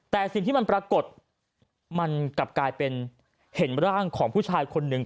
แต่สิ่งที่มันปรากฏมันกลับกลายเป็นเห็นร่างของผู้ชายคนหนึ่ง